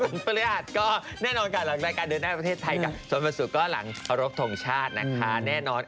วันหญิงวันภรรยาศก็แน่นอนค่ะหลังรายการดูหน้าประเทศไทยกับสนบันสุกก็หลังอรกธงชาตินะคะแน่นอน